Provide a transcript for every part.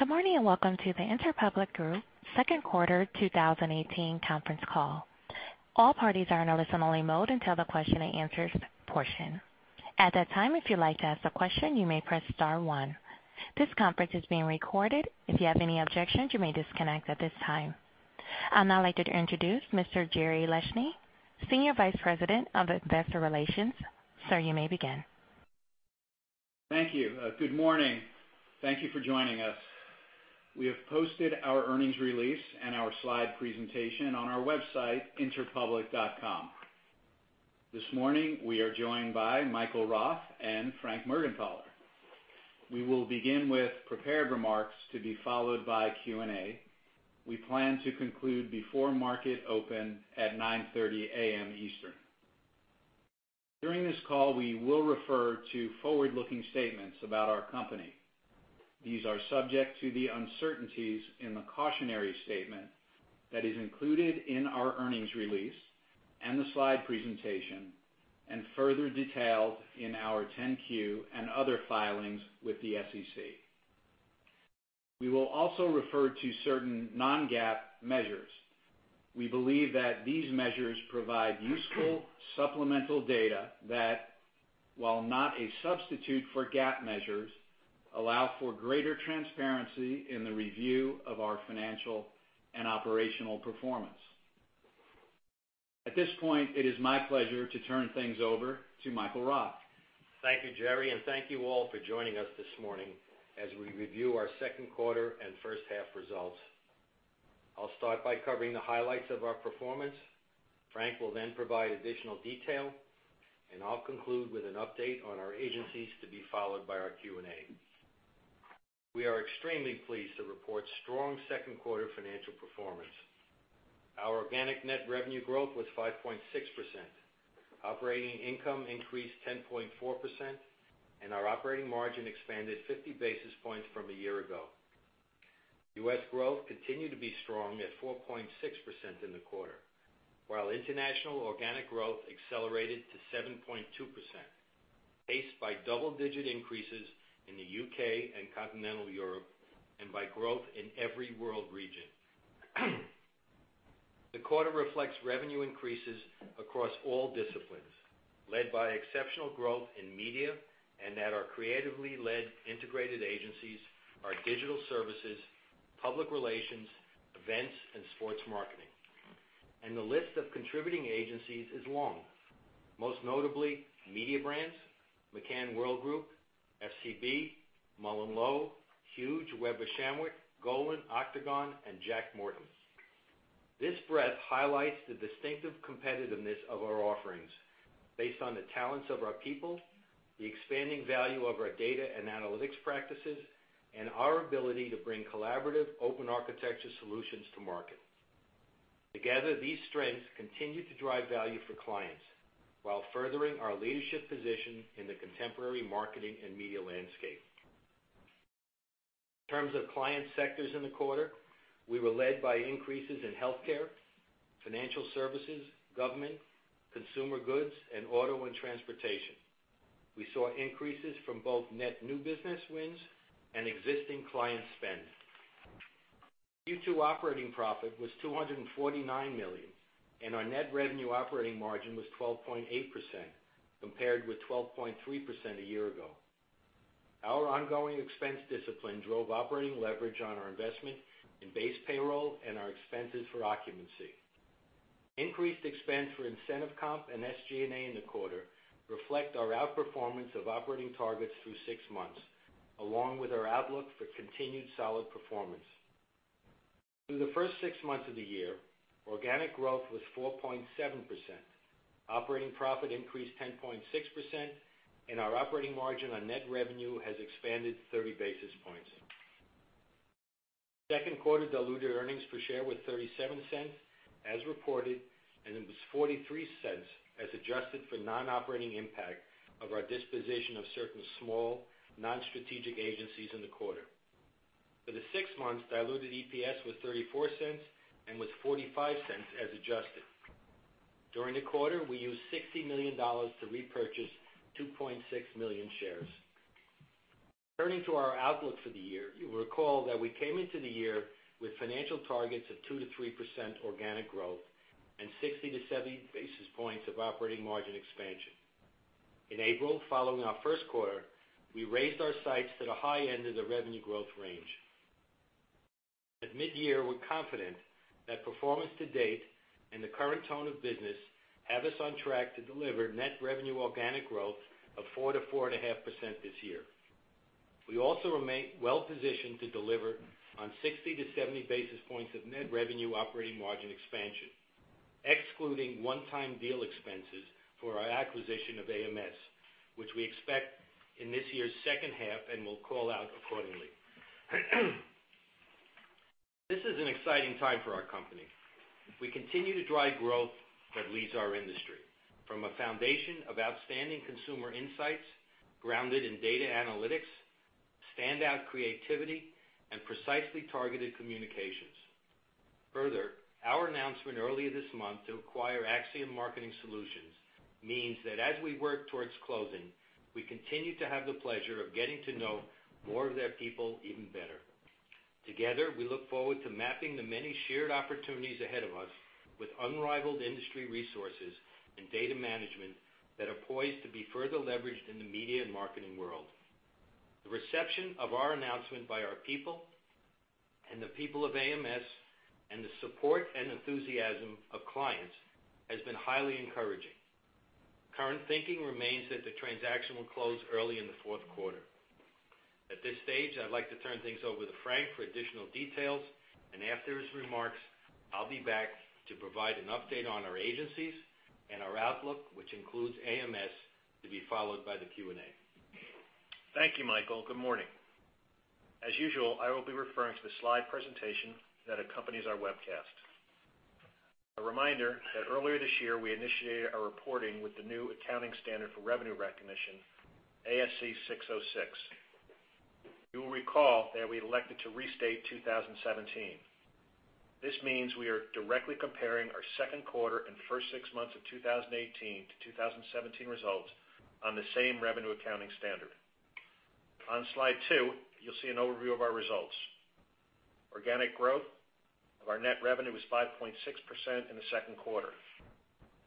Good morning and welcome to the Interpublic Group Second Quarter 2018 conference call. All parties are in a listen-only mode until the question and answers portion. At that time, if you'd like to ask a question, you may press star one. This conference is being recorded. If you have any objections, you may disconnect at this time. I'd now like to introduce Mr. Jerry Leshne, Senior Vice President of Investor Relations. Sir, you may begin. Thank you. Good morning. Thank you for joining us. We have posted our earnings release and our slide presentation on our website, interpublic.com. This morning, we are joined by Michael Roth and Frank Mergenthaler. We will begin with prepared remarks to be followed by Q&A. We plan to conclude before market open at 9:30 A.M. Eastern. During this call, we will refer to forward-looking statements about our company. These are subject to the uncertainties in the cautionary statement that is included in our earnings release and the slide presentation and further detailed in our 10-Q and other filings with the SEC. We will also refer to certain non-GAAP measures. We believe that these measures provide useful supplemental data that, while not a substitute for GAAP measures, allow for greater transparency in the review of our financial and operational performance. At this point, it is my pleasure to turn things over to Michael Roth. Thank you, Jerry, and thank you all for joining us this morning as we review our second quarter and first half results. I'll start by covering the highlights of our performance. Frank will then provide additional detail, and I'll conclude with an update on our agencies to be followed by our Q&A. We are extremely pleased to report strong second quarter financial performance. Our organic net revenue growth was 5.6%. Operating income increased 10.4%, and our operating margin expanded 50 basis points from a year ago. U.S. growth continued to be strong at 4.6% in the quarter, while international organic growth accelerated to 7.2%, paced by double-digit increases in the U.K. and Continental Europe and by growth in every world region. The quarter reflects revenue increases across all disciplines, led by exceptional growth in media and at our creatively led integrated agencies, our digital services, public relations, events, and sports marketing, and the list of contributing agencies is long, most notably Mediabrands: McCann Worldgroup, FCB, MullenLowe, Huge, Weber Shandwick, Golin, Octagon, and Jack Morton. This breadth highlights the distinctive competitiveness of our offerings based on the talents of our people, the expanding value of our data and analytics practices, and our ability to bring collaborative open architecture solutions to market. Together, these strengths continue to drive value for clients while furthering our leadership position in the contemporary marketing and media landscape. In terms of client sectors in the quarter, we were led by increases in healthcare, financial services, government, consumer goods, and auto and transportation. We saw increases from both net new business wins and existing client spend. Q2 operating profit was $249 million, and our net revenue operating margin was 12.8% compared with 12.3% a year ago. Our ongoing expense discipline drove operating leverage on our investment in base payroll and our expenses for occupancy. Increased expense for incentive comp and SG&A in the quarter reflects our outperformance of operating targets through six months, along with our outlook for continued solid performance. Through the first six months of the year, organic growth was 4.7%. Operating profit increased 10.6%, and our operating margin on net revenue has expanded 30 basis points. Second quarter diluted earnings per share was $0.37 as reported, and it was $0.43 as adjusted for non-operating impact of our disposition of certain small non-strategic agencies in the quarter. For the six months, diluted EPS was $0.34 and was $0.45 as adjusted. During the quarter, we used $60 million to repurchase 2.6 million shares. Turning to our outlook for the year, you will recall that we came into the year with financial targets of 2%-3% organic growth and 60-70 basis points of operating margin expansion. In April, following our first quarter, we raised our sights to the high end of the revenue growth range. At mid-year, we're confident that performance to date and the current tone of business have us on track to deliver net revenue organic growth of 4%-4.5% this year. We also remain well positioned to deliver on 60-70 basis points of net revenue operating margin expansion, excluding one-time deal expenses for our acquisition of AMS, which we expect in this year's second half and will call out accordingly. This is an exciting time for our company. We continue to drive growth that leads our industry from a foundation of outstanding consumer insights grounded in data analytics, standout creativity, and precisely targeted communications. Further, our announcement earlier this month to acquire Acxiom Marketing Solutions means that as we work towards closing, we continue to have the pleasure of getting to know more of their people even better. Together, we look forward to mapping the many shared opportunities ahead of us with unrivaled industry resources and data management that are poised to be further leveraged in the media and marketing world. The reception of our announcement by our people and the people of AMS and the support and enthusiasm of clients has been highly encouraging. Current thinking remains that the transaction will close early in the fourth quarter. At this stage, I'd like to turn things over to Frank for additional details, and after his remarks, I'll be back to provide an update on our agencies and our outlook, which includes AMS, to be followed by the Q&A. Thank you, Michael. Good morning. As usual, I will be referring to the slide presentation that accompanies our webcast. A reminder that earlier this year, we initiated our reporting with the new accounting standard for revenue recognition, ASC 606. You will recall that we elected to restate 2017. This means we are directly comparing our second quarter and first six months of 2018-2017 results on the same revenue accounting standard. On slide two, you'll see an overview of our results. Organic growth of our net revenue was 5.6% in the second quarter.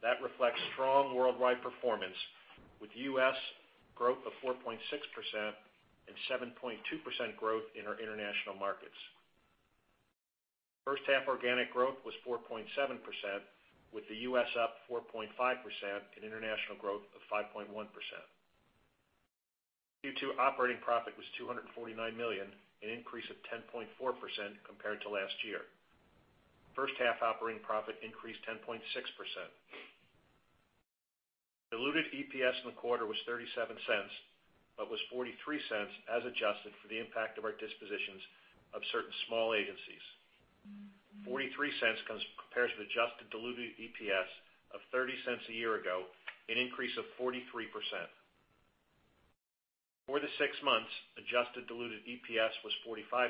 That reflects strong worldwide performance with U.S. growth of 4.6% and 7.2% growth in our international markets. First half organic growth was 4.7% with the U.S. up 4.5% and international growth of 5.1%. Q2 operating profit was $249 million, an increase of 10.4% compared to last year. First half operating profit increased 10.6%. Diluted EPS in the quarter was $0.37 but was $0.43 as adjusted for the impact of our dispositions of certain small agencies. $0.43 compares with adjusted diluted EPS of $0.30 a year ago, an increase of 43%. For the six months, adjusted diluted EPS was $0.45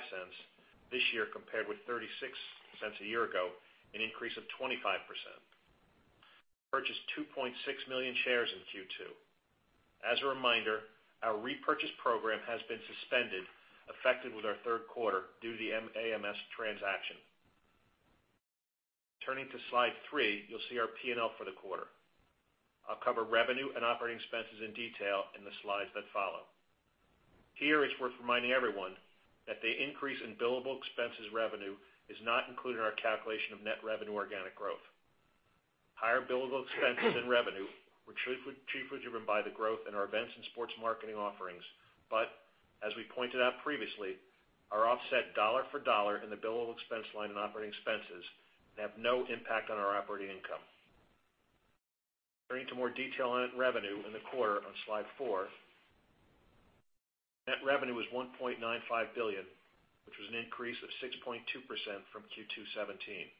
this year compared with $0.36 a year ago, an increase of 25%. We purchased 2.6 million shares in Q2. As a reminder, our repurchase program has been suspended, effective with our third quarter due to the AMS transaction. Turning to slide three, you'll see our P&L for the quarter. I'll cover revenue and operating expenses in detail in the slides that follow. Here, it's worth reminding everyone that the increase in billable expenses revenue is not included in our calculation of net revenue organic growth. Higher billable expenses and revenue were chiefly driven by the growth in our events and sports marketing offerings, but as we pointed out previously, our offset dollar for dollar in the billable expense line and operating expenses have no impact on our operating income. Turning to more detail on net revenue in the quarter on slide four, net revenue was $1.95 billion, which was an increase of 6.2% from Q2 2017.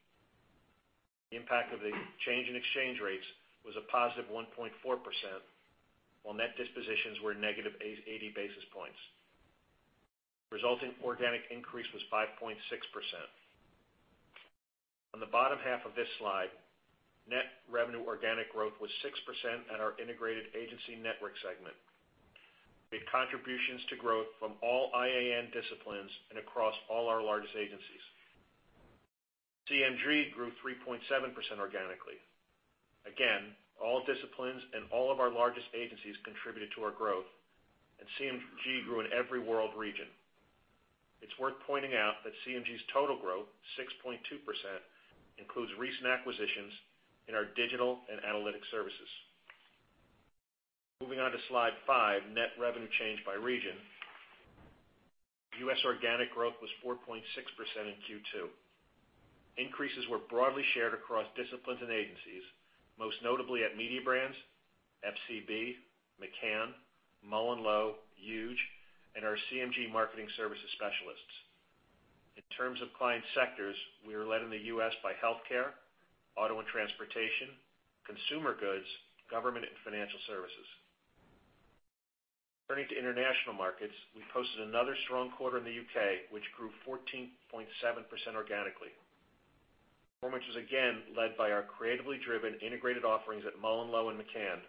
The impact of the change in exchange rates was a positive 1.4%, while net dispositions were negative 80 basis points. The resulting organic increase was 5.6%. On the bottom half of this slide, net revenue organic growth was 6% at our integrated agency network segment. We had contributions to growth from all IAN disciplines and across all our largest agencies. CMG grew 3.7% organically. Again, all disciplines and all of our largest agencies contributed to our growth, and CMG grew in every world region. It's worth pointing out that CMG's total growth, 6.2%, includes recent acquisitions in our digital and analytic services. Moving on to slide five, net revenue change by region. U.S. organic growth was 4.6% in Q2. Increases were broadly shared across disciplines and agencies, most notably at Mediabrands, FCB, McCann, MullenLowe, Huge, and our CMG marketing services specialists. In terms of client sectors, we were led in the U.S. by healthcare, auto and transportation, consumer goods, government, and financial services. Turning to international markets, we posted another strong quarter in the U.K., which grew 14.7% organically. Performance was again led by our creatively driven integrated offerings at MullenLowe and McCann,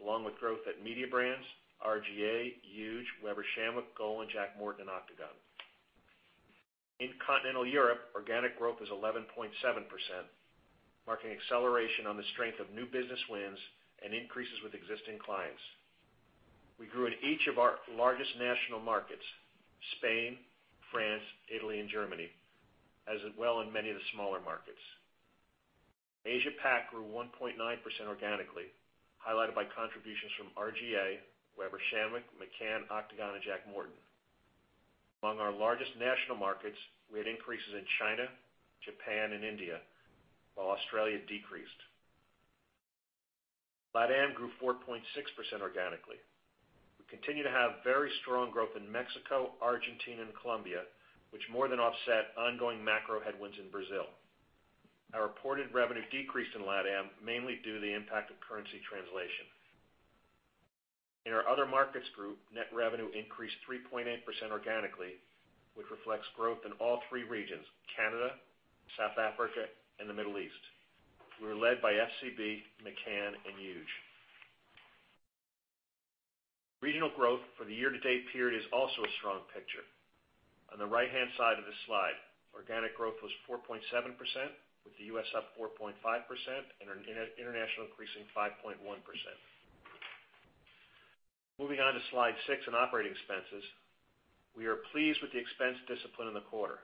along with growth at Mediabrands, R/GA, Huge, Weber Shandwick, Golin, Jack Morton, and Octagon. In Continental Europe, organic growth was 11.7%, marking acceleration on the strength of new business wins and increases with existing clients. We grew in each of our largest national markets: Spain, France, Italy, and Germany, as well as many of the smaller markets. Asia-Pac grew 1.9% organically, highlighted by contributions from R/GA, Weber Shandwick, McCann, Octagon, and Jack Morton. Among our largest national markets, we had increases in China, Japan, and India, while Australia decreased. LATAM grew 4.6% organically. We continue to have very strong growth in Mexico, Argentina, and Colombia, which more than offset ongoing macro headwinds in Brazil. Our reported revenue decreased in LATAM mainly due to the impact of currency translation. In our other markets group, net revenue increased 3.8% organically, which reflects growth in all three regions: Canada, South Africa, and the Middle East. We were led by FCB, McCann, and Huge. Regional growth for the year-to-date period is also a strong picture. On the right-hand side of this slide, organic growth was 4.7%, with the U.S. up 4.5% and international increasing 5.1%. Moving on to slide six in operating expenses, we are pleased with the expense discipline in the quarter.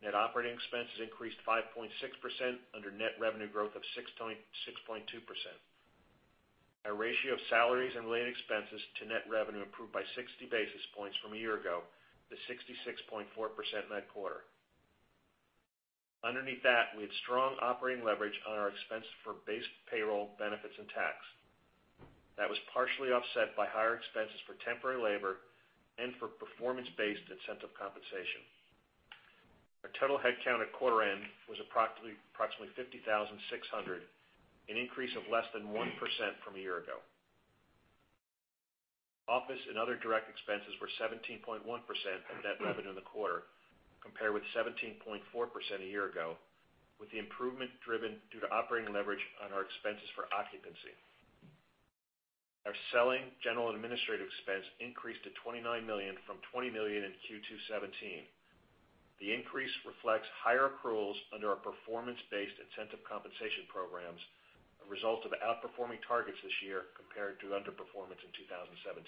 Net operating expenses increased 5.6% under net revenue growth of 6.2%. Our ratio of salaries and related expenses to net revenue improved by 60 basis points from a year ago to 66.4% in that quarter. Underneath that, we had strong operating leverage on our expense for base payroll benefits and tax. That was partially offset by higher expenses for temporary labor and for performance-based incentive compensation. Our total headcount at quarter end was approximately 50,600, an increase of less than 1% from a year ago. Office and other direct expenses were 17.1% of net revenue in the quarter, compared with 17.4% a year ago, with the improvement driven due to operating leverage on our expenses for occupancy. Our selling general administrative expense increased to $29 million from $20 million in Q2 2017. The increase reflects higher accruals under our performance-based incentive compensation programs, a result of outperforming targets this year compared to underperformance in 2017.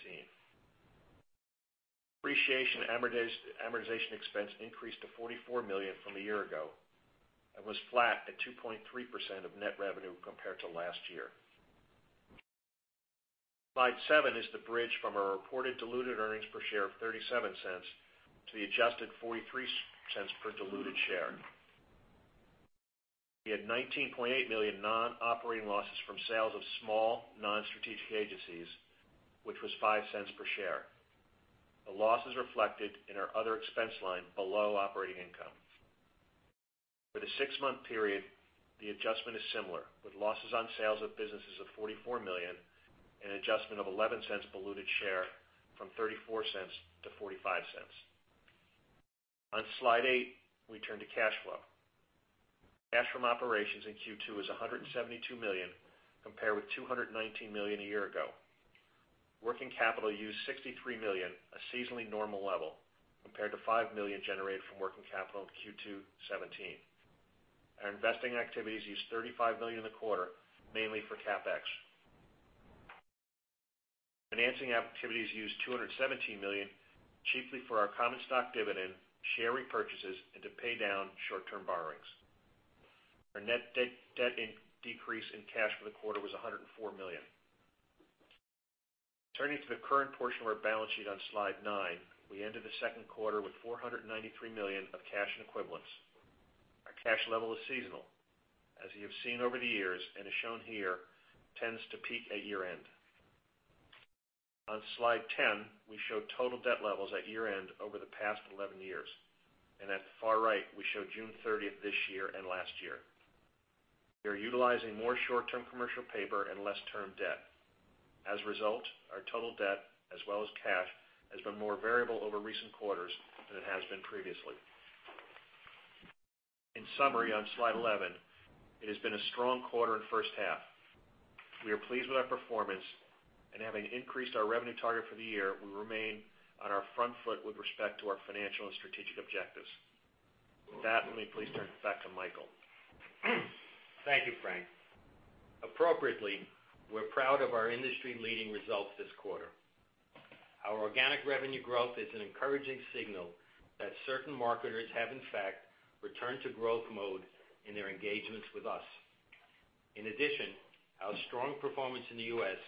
Depreciation amortization expense increased to $44 million from a year ago and was flat at 2.3% of net revenue compared to last year. Slide seven is the bridge from our reported diluted earnings per share of $0.37 to the adjusted $0.43 per diluted share. We had $19.8 million non-operating losses from sales of small non-strategic agencies, which was $0.05 per share. The losses reflected in our other expense line below operating income. For the six-month period, the adjustment is similar, with losses on sales of businesses of $44 million and adjustment of $0.11 diluted share from $0.34-$0.45. On slide eight, we turn to cash flow. Cash from operations in Q2 was $172 million compared with $219 million a year ago. Working capital used $63 million, a seasonally normal level, compared to $5 million generated from working capital in Q2 2017. Our investing activities used $35 million in the quarter, mainly for CapEx. Financing activities used $217 million, chiefly for our common stock dividend, share repurchases, and to pay down short-term borrowings. Our net debt decrease in cash for the quarter was $104 million. Turning to the current portion of our balance sheet on slide nine, we ended the second quarter with $493 million of cash and equivalents. Our cash level is seasonal, as you have seen over the years and is shown here, tends to peak at year-end. On slide 10, we show total debt levels at year-end over the past 11 years, and at the far right, we show June 30th this year and last year. We are utilizing more short-term commercial paper and less term debt. As a result, our total debt, as well as cash, has been more variable over recent quarters than it has been previously. In summary, on slide 11, it has been a strong quarter and first half. We are pleased with our performance, and having increased our revenue target for the year, we remain on our front foot with respect to our financial and strategic objectives. With that, let me please turn it back to Michael. Thank you, Frank. Appropriately, we're proud of our industry-leading results this quarter. Our organic revenue growth is an encouraging signal that certain marketers have, in fact, returned to growth mode in their engagements with us. In addition, our strong performance in the U.S.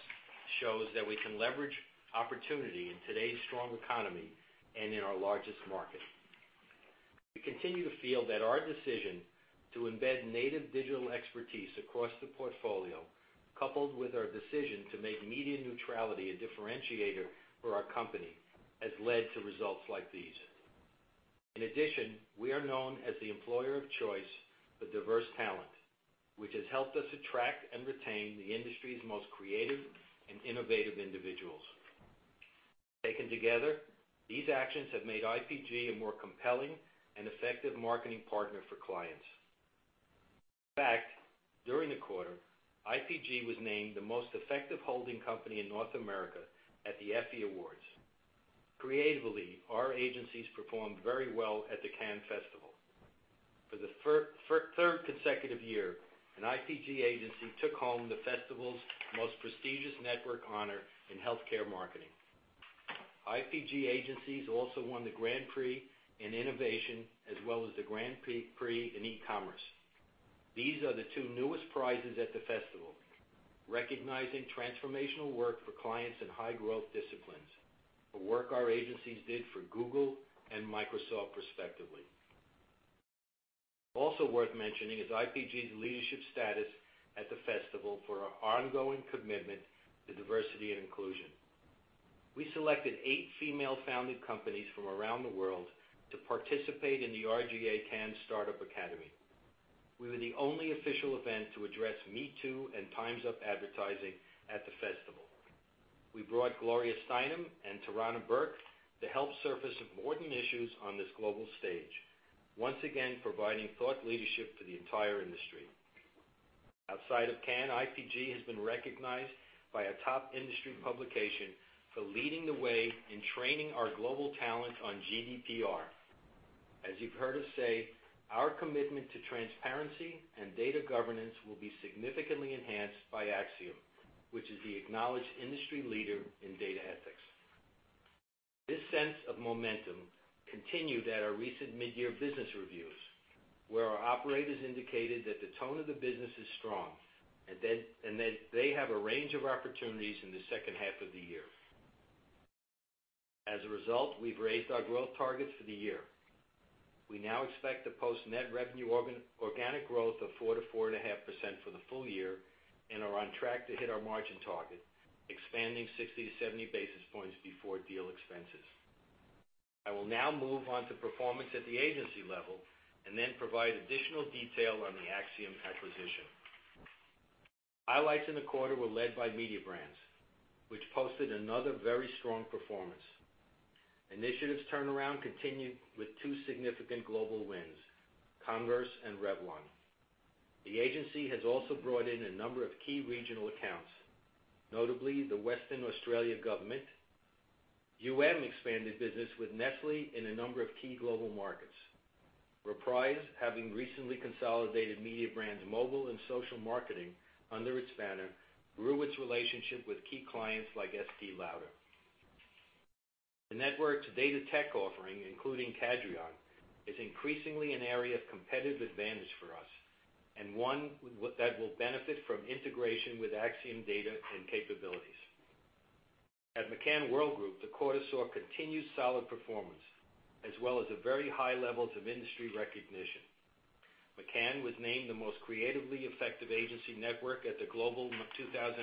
shows that we can leverage opportunity in today's strong economy and in our largest market. We continue to feel that our decision to embed native digital expertise across the portfolio, coupled with our decision to make media neutrality a differentiator for our company, has led to results like these. In addition, we are known as the employer of choice for diverse talent, which has helped us attract and retain the industry's most creative and innovative individuals. Taken together, these actions have made IPG a more compelling and effective marketing partner for clients. In fact, during the quarter, IPG was named the most effective holding company in North America at the Effie Awards. Creatively, our agencies performed very well at the Cannes Festival. For the third consecutive year, an IPG agency took home the festival's most prestigious network honor in healthcare marketing. IPG agencies also won the Grand Prix in innovation, as well as the Grand Prix in e-commerce. These are the two newest prizes at the festival, recognizing transformational work for clients in high-growth disciplines, the work our agencies did for Google and Microsoft respectively. Also worth mentioning is IPG's leadership status at the festival for our ongoing commitment to diversity and inclusion. We selected eight female-founded companies from around the world to participate in the R/GA Cannes Startup Academy. We were the only official event to address Me Too and Time's Up advertising at the festival. We brought Gloria Steinem and Tarana Burke to help surface important issues on this global stage, once again providing thought leadership for the entire industry. Outside of Cannes, IPG has been recognized by a top industry publication for leading the way in training our global talent on GDPR. As you've heard us say, our commitment to transparency and data governance will be significantly enhanced by Acxiom, which is the acknowledged industry leader in data ethics. This sense of momentum continued at our recent mid-year business reviews, where our operators indicated that the tone of the business is strong and that they have a range of opportunities in the second half of the year. As a result, we've raised our growth targets for the year. We now expect to post net revenue organic growth of 4%-4.5% for the full year and are on track to hit our margin target, expanding 60-70 basis points before deal expenses. I will now move on to performance at the agency level and then provide additional detail on the Acxiom acquisition. Highlights in the quarter were led by Mediabrands, which posted another very strong performance. Initiative's turnaround continued with two significant global wins, Converse and Revlon. The agency has also brought in a number of key regional accounts, notably the Western Australia government and expanded business with Nestlé in a number of key global markets. Reprise, having recently consolidated Mediabrands' mobile and social marketing under its banner, grew its relationship with key clients like Estée Lauder. The network's data tech offering, including Cadreon, is increasingly an area of competitive advantage for us and one that will benefit from integration with Acxiom data and capabilities. At McCann Worldgroup, the quarter saw continued solid performance, as well as very high levels of industry recognition. McCann was named the most creatively effective agency network at the Global 2018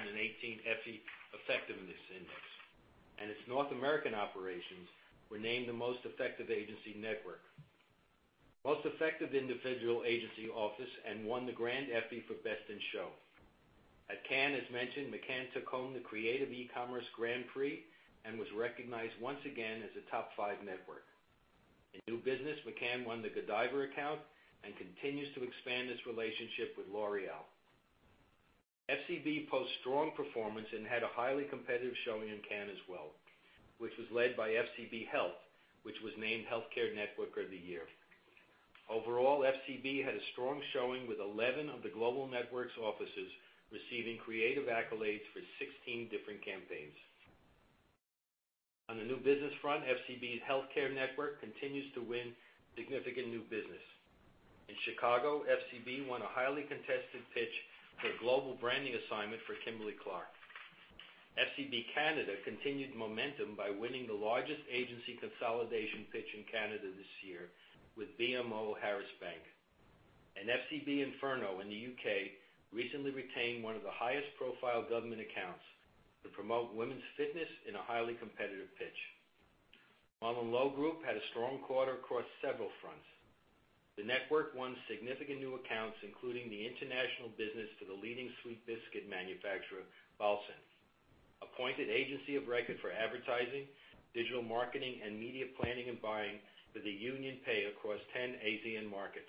Effie Effectiveness Index, and its North American operations were named the most effective agency network, most effective individual agency office, and won the Grand Effie for Best in Show. At Cannes, as mentioned, McCann took home the Creative E-commerce Grand Prix and was recognized once again as a top five network. In new business, McCann won the Godiva account and continues to expand its relationship with L'Oréal. FCB posts strong performance and had a highly competitive showing in Cannes as well, which was led by FCB Health, which was named Healthcare Network of the Year. Overall, FCB had a strong showing with 11 of the global network's offices receiving creative accolades for 16 different campaigns. On the new business front, FCB's Healthcare Network continues to win significant new business. In Chicago, FCB won a highly contested pitch for a global branding assignment for Kimberly-Clark. FCB Canada continued momentum by winning the largest agency consolidation pitch in Canada this year with BMO Harris Bank. An FCB Inferno in the U.K. recently retained one of the highest-profile government accounts to promote women's fitness in a highly competitive pitch. MullenLowe Group had a strong quarter across several fronts. The network won significant new accounts, including the international business for the leading sweet biscuit manufacturer, Bahlsen, appointed agency of record for advertising, digital marketing, and media planning and buying for UnionPay across 10 ASEAN markets,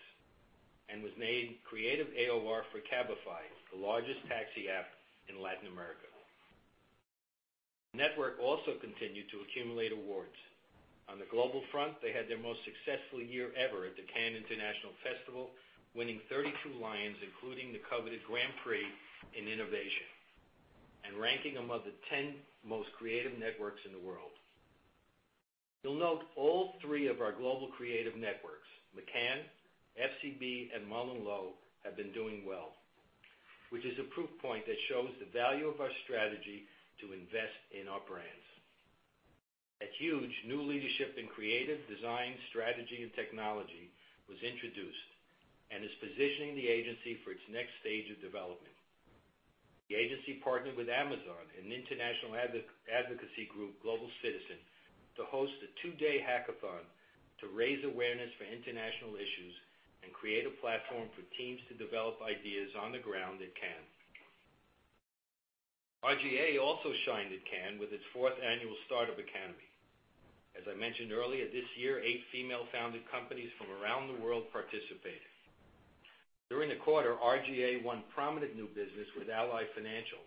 and was named creative AOR for Cabify, the largest taxi app in Latin America. The network also continued to accumulate awards. On the global front, they had their most successful year ever at the Cannes International Festival, winning 32 Lions, including the coveted Grand Prix in innovation, and ranking among the 10 most creative networks in the world. You'll note all three of our global creative networks, McCann, FCB, and MullenLowe, have been doing well, which is a proof point that shows the value of our strategy to invest in our brands. At Huge, new leadership in creative design, strategy, and technology was introduced and is positioning the agency for its next stage of development. The agency partnered with Amazon and the international advocacy group Global Citizen to host a two-day hackathon to raise awareness for international issues and create a platform for teams to develop ideas on the ground at Cannes. R/GA also shined at Cannes with its fourth annual Startup Academy. As I mentioned earlier, this year, eight female-founded companies from around the world participated. During the quarter, R/GA won prominent new business with Ally Financial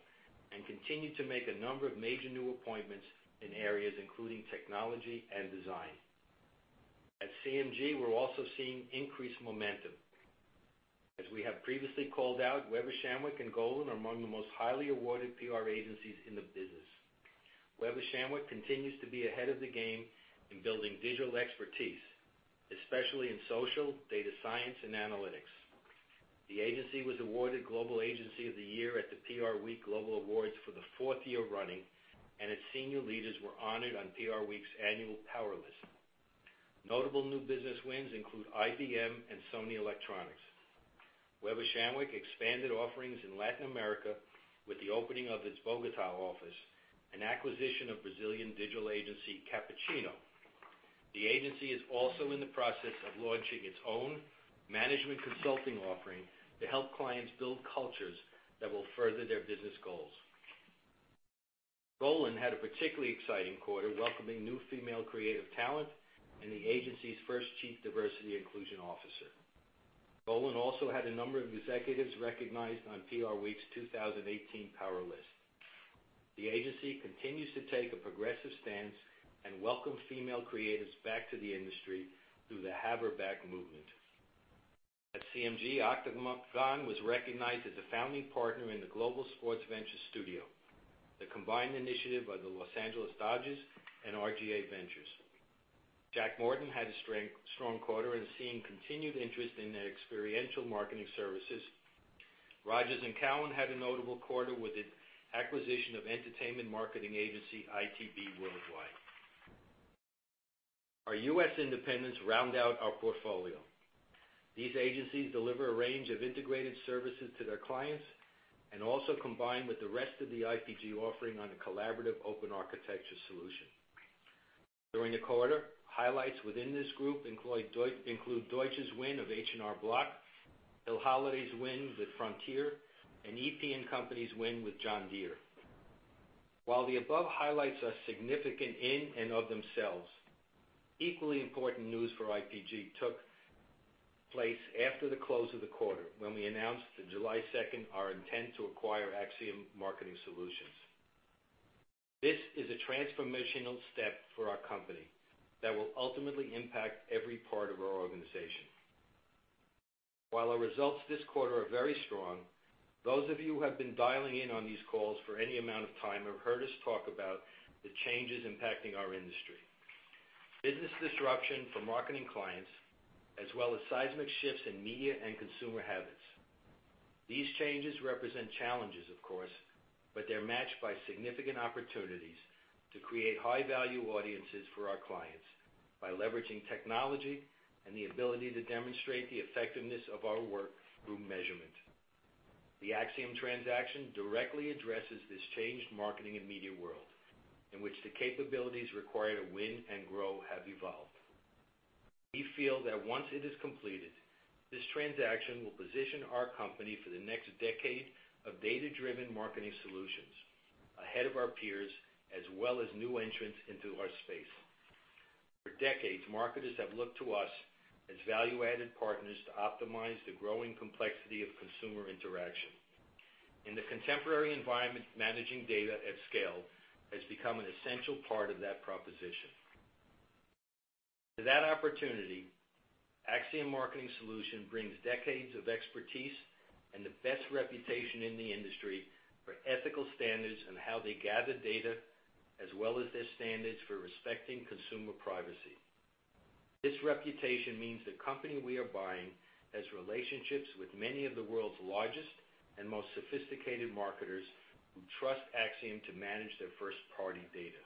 and continued to make a number of major new appointments in areas including technology and design. At CMG, we're also seeing increased momentum. As we have previously called out, Weber Shandwick and Golin are among the most highly awarded PR agencies in the business. Weber Shandwick continues to be ahead of the game in building digital expertise, especially in social data science and analytics. The agency was awarded Global Agency of the Year at the PR Week Global Awards for the fourth year running, and its senior leaders were honored on PR Week's annual Power List. Notable new business wins include IBM and Sony Electronics. Weber Shandwick expanded offerings in Latin America with the opening of its Bogotá office and acquisition of Brazilian digital agency Cappuccino. The agency is also in the process of launching its own management consulting offering to help clients build cultures that will further their business goals. Golin had a particularly exciting quarter, welcoming new female creative talent and the agency's first chief diversity inclusion officer. Golin also had a number of executives recognized on PR Week's 2018 Power List. The agency continues to take a progressive stance and welcome female creatives back to the industry through the Have Her Back movement. At CMG, Octagon was recognized as a founding partner in the Global Sports Venture Studio, the combined initiative of the Los Angeles Dodgers and R/GA Ventures. Jack Morton had a strong quarter and is seeing continued interest in their experiential marketing services. Rogers & Cowan had a notable quarter with the acquisition of entertainment marketing agency ITB Worldwide. Our U.S. independents round out our portfolio. These agencies deliver a range of integrated services to their clients and also combine with the rest of the IPG offering on a collaborative open architecture solution. During the quarter, highlights within this group include Deutsch's win of H&R Block, Hill Holliday's win with Frontier, and EP+Co's win with John Deere. While the above highlights are significant in and of themselves, equally important news for IPG took place after the close of the quarter when we announced on July 2nd our intent to acquire Acxiom Marketing Solutions. This is a transformational step for our company that will ultimately impact every part of our organization. While our results this quarter are very strong, those of you who have been dialing in on these calls for any amount of time have heard us talk about the changes impacting our industry: business disruption for marketing clients, as well as seismic shifts in media and consumer habits. These changes represent challenges, of course, but they're matched by significant opportunities to create high-value audiences for our clients by leveraging technology and the ability to demonstrate the effectiveness of our work through measurement. The Acxiom transaction directly addresses this changed marketing and media world in which the capabilities required to win and grow have evolved. We feel that once it is completed, this transaction will position our company for the next decade of data-driven marketing solutions ahead of our peers, as well as new entrants into our space. For decades, marketers have looked to us as value-added partners to optimize the growing complexity of consumer interaction. In the contemporary environment, managing data at scale has become an essential part of that proposition. To that opportunity, Acxiom Marketing Solutions brings decades of expertise and the best reputation in the industry for ethical standards on how they gather data, as well as their standards for respecting consumer privacy. This reputation means the company we are buying has relationships with many of the world's largest and most sophisticated marketers who trust Acxiom to manage their first-party data.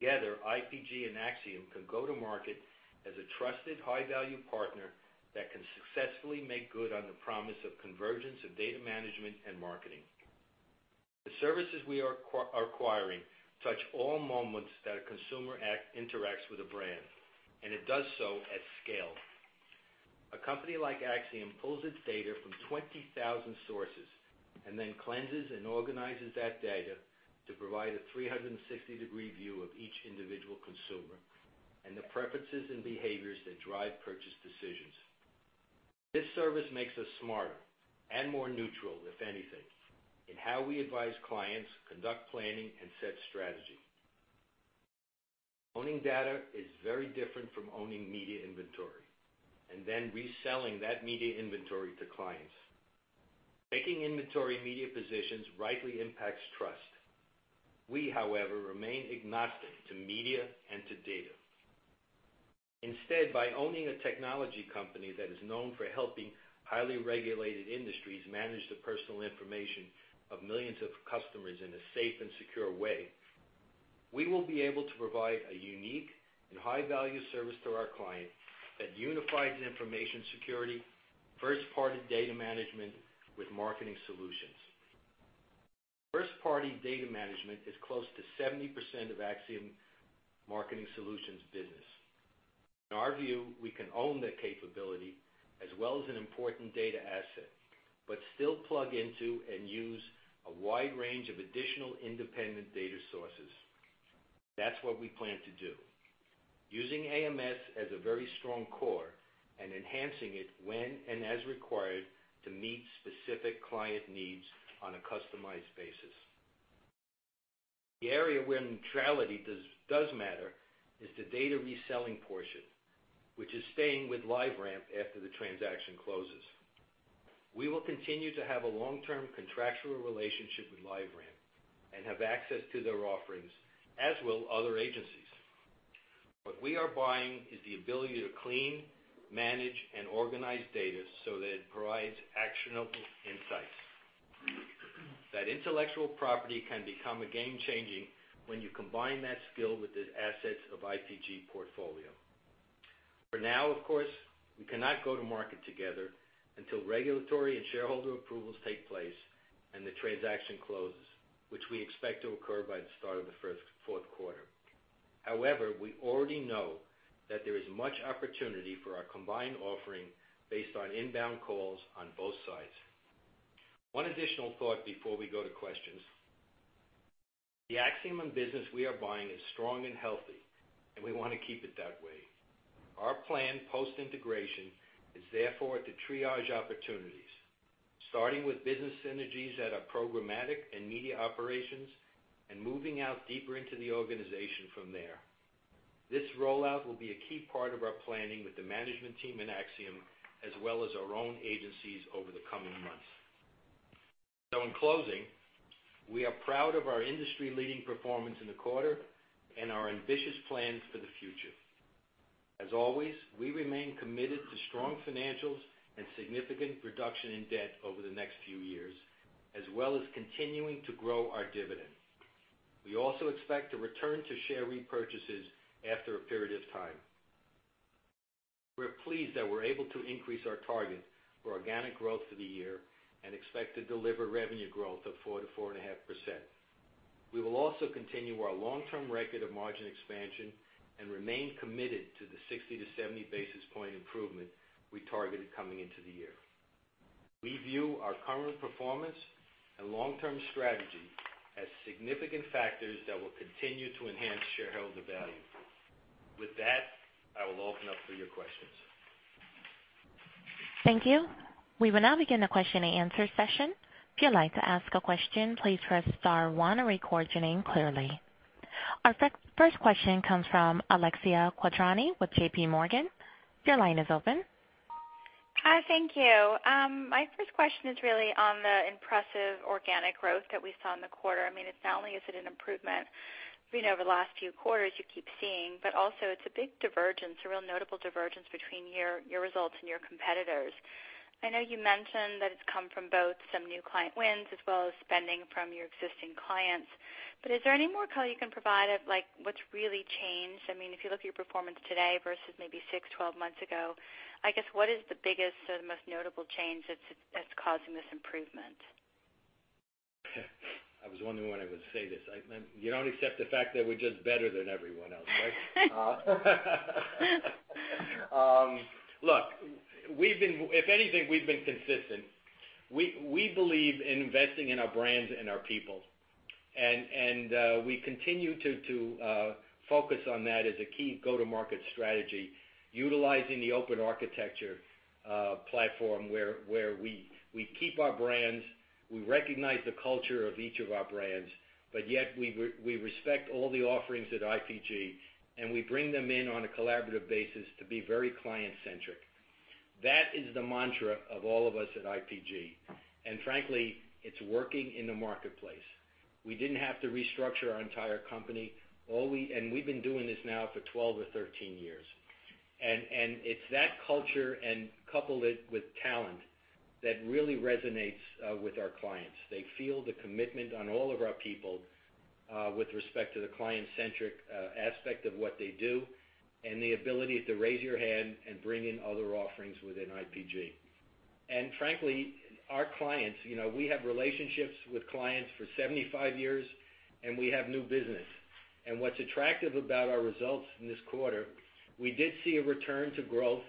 Together, IPG and Acxiom can go to market as a trusted, high-value partner that can successfully make good on the promise of convergence of data management and marketing. The services we are acquiring touch all moments that a consumer interacts with a brand, and it does so at scale. A company like Acxiom pulls its data from 20,000 sources and then cleanses and organizes that data to provide a 360-degree view of each individual consumer and the preferences and behaviors that drive purchase decisions. This service makes us smarter and more neutral, if anything, in how we advise clients, conduct planning, and set strategy. Owning data is very different from owning media inventory and then reselling that media inventory to clients. Taking inventory media positions rightly impacts trust. We, however, remain agnostic to media and to data. Instead, by owning a technology company that is known for helping highly regulated industries manage the personal information of millions of customers in a safe and secure way, we will be able to provide a unique and high-value service to our client that unifies information security, first-party data management with marketing solutions. First-party data management is close to 70% of Acxiom Marketing Solutions' business. In our view, we can own that capability as well as an important data asset, but still plug into and use a wide range of additional independent data sources. That's what we plan to do, using AMS as a very strong core and enhancing it when and as required to meet specific client needs on a customized basis. The area where neutrality does matter is the data reselling portion, which is staying with LiveRamp after the transaction closes. We will continue to have a long-term contractual relationship with LiveRamp and have access to their offerings, as will other agencies. What we are buying is the ability to clean, manage, and organize data so that it provides actionable insights. That intellectual property can become a game-changer when you combine that skill with the assets of IPG Portfolio. For now, of course, we cannot go to market together until regulatory and shareholder approvals take place and the transaction closes, which we expect to occur by the start of the fourth quarter. However, we already know that there is much opportunity for our combined offering based on inbound calls on both sides. One additional thought before we go to questions: the Acxiom business we are buying is strong and healthy, and we want to keep it that way. Our plan post-integration is therefore to triage opportunities, starting with business synergies that are programmatic and media operations and moving out deeper into the organization from there. This rollout will be a key part of our planning with the management team at Acxiom, as well as our own agencies over the coming months. So, in closing, we are proud of our industry-leading performance in the quarter and our ambitious plans for the future. As always, we remain committed to strong financials and significant reduction in debt over the next few years, as well as continuing to grow our dividend. We also expect a return to share repurchases after a period of time. We're pleased that we're able to increase our target for organic growth for the year and expect to deliver revenue growth of 4%-4.5%. We will also continue our long-term record of margin expansion and remain committed to the 60-70 basis point improvement we targeted coming into the year. We view our current performance and long-term strategy as significant factors that will continue to enhance shareholder value. With that, I will open up for your questions. Thank you. We will now begin the question-and-answer session. If you'd like to ask a question, please press star one or record your name clearly. Our first question comes from Alexia Quadrani with JPMorgan. Your line is open. Hi, thank you. My first question is really on the impressive organic growth that we saw in the quarter. I mean, not only is it an improvement over the last few quarters you keep seeing, but also it's a big divergence, a real notable divergence between your results and your competitors. I know you mentioned that it's come from both some new client wins as well as spending from your existing clients. But is there any more color you can provide of what's really changed? I mean, if you look at your performance today versus maybe six, 12 months ago, I guess what is the biggest or the most notable change that's causing this improvement? I was wondering when I would say this. You don't accept the fact that we're just better than everyone else, right? Look, if anything, we've been consistent. We believe in investing in our brands and our people, and we continue to focus on that as a key go-to-market strategy, utilizing the open architecture platform where we keep our brands. We recognize the culture of each of our brands, but yet we respect all the offerings at IPG, and we bring them in on a collaborative basis to be very client-centric. That is the mantra of all of us at IPG. And frankly, it's working in the marketplace. We didn't have to restructure our entire company, and we've been doing this now for 12 or 13 years. And it's that culture and couple it with talent that really resonates with our clients. They feel the commitment on all of our people with respect to the client-centric aspect of what they do and the ability to raise your hand and bring in other offerings within IPG. And frankly, our clients, we have relationships with clients for 75 years, and we have new business. And what's attractive about our results in this quarter, we did see a return to growth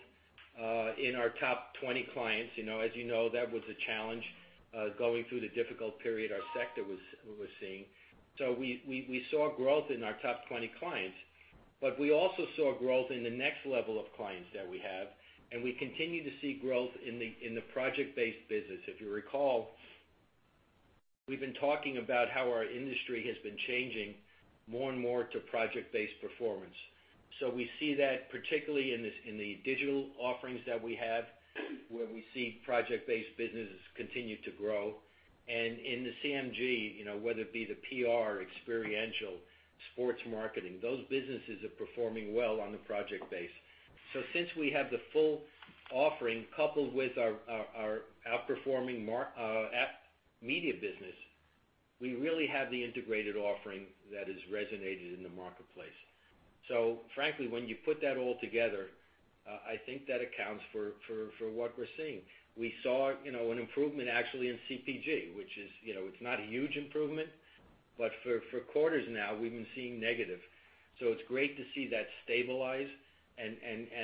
in our top 20 clients. As you know, that was a challenge going through the difficult period our sector was seeing. So we saw growth in our top 20 clients, but we also saw growth in the next level of clients that we have, and we continue to see growth in the project-based business. If you recall, we've been talking about how our industry has been changing more and more to project-based performance. So we see that particularly in the digital offerings that we have, where we see project-based businesses continue to grow. And in the CMG, whether it be the PR, experiential, sports marketing, those businesses are performing well on the project base. So since we have the full offering coupled with our outperforming media business, we really have the integrated offering that has resonated in the marketplace. So frankly, when you put that all together, I think that accounts for what we're seeing. We saw an improvement actually in CPG, which is not a huge improvement, but for quarters now, we've been seeing negative. So it's great to see that stabilize and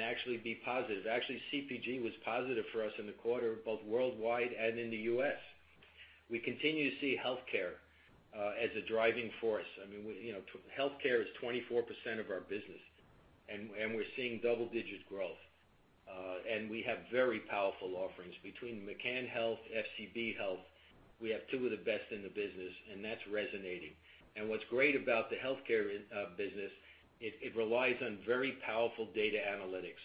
actually be positive. Actually, CPG was positive for us in the quarter, both worldwide and in the U.S. We continue to see healthcare as a driving force. I mean, healthcare is 24% of our business, and we're seeing double-digit growth. And we have very powerful offerings between McCann Health, FCB Health. We have two of the best in the business, and that's resonating. And what's great about the healthcare business, it relies on very powerful data analytics,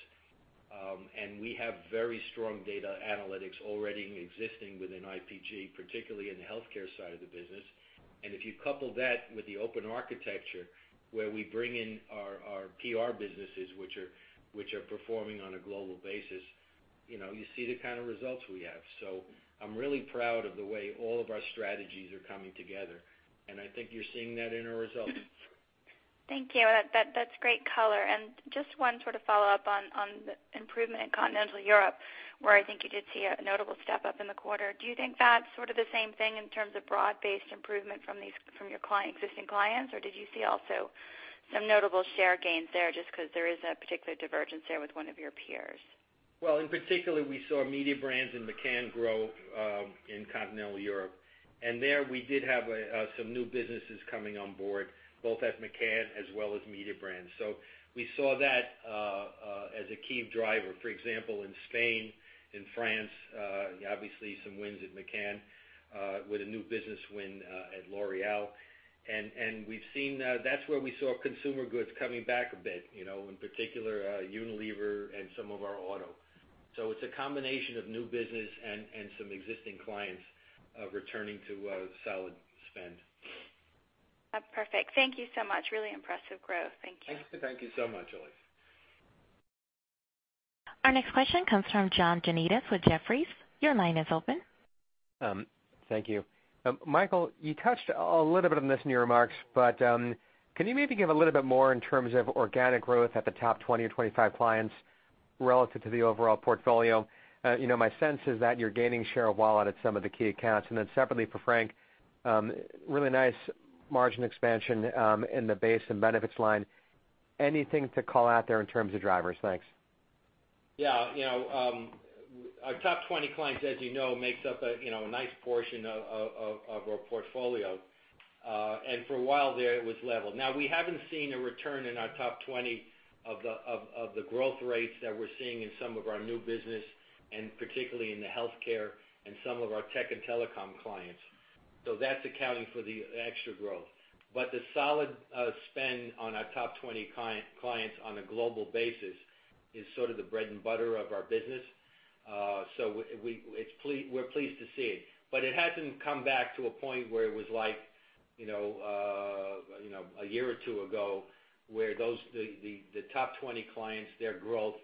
and we have very strong data analytics already existing within IPG, particularly in the healthcare side of the business. And if you couple that with the open architecture, where we bring in our PR businesses, which are performing on a global basis, you see the kind of results we have. So I'm really proud of the way all of our strategies are coming together, and I think you're seeing that in our results. Thank you. That's great color. And just one sort of follow-up on the improvement in Continental Europe, where I think you did see a notable step up in the quarter. Do you think that's sort of the same thing in terms of broad-based improvement from your existing clients, or did you see also some notable share gains there just because there is a particular divergence there with one of your peers? Well, in particular, we saw Mediabrands in McCann grow in Continental Europe, and there we did have some new businesses coming on board, both at McCann as well as Mediabrands. So we saw that as a key driver. For example, in Spain, in France, obviously some wins at McCann with a new business win at L'Oréal. And we've seen, that's where we saw consumer goods coming back a bit, in particular, Unilever and some of our auto. So it's a combination of new business and some existing clients returning to solid spend. That's perfect. Thank you so much. Really impressive growth. Thank you. Thank you so much, Alexia. Our next question comes from John Janedis with Jefferies. Your line is open. Thank you. Michael, you touched a little bit on this in your remarks, but can you maybe give a little bit more in terms of organic growth at the top 20 or 25 clients relative to the overall portfolio? My sense is that you're gaining share of wallet at some of the key accounts. And then separately for Frank, really nice margin expansion in the base and benefits line. Anything to call out there in terms of drivers? Thanks. Yeah. Our top 20 clients, as you know, makes up a nice portion of our portfolio, and for a while there, it was level. Now, we haven't seen a return in our top 20 of the growth rates that we're seeing in some of our new business, and particularly in the healthcare and some of our tech and telecom clients. So that's accounting for the extra growth. But the solid spend on our top 20 clients on a global basis is sort of the bread and butter of our business. So we're pleased to see it. But it hasn't come back to a point where it was like a year or two ago where the top 20 clients, their growth